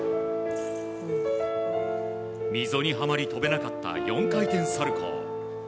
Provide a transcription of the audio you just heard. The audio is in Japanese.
溝にはまり跳べなかった４回転サルコウ。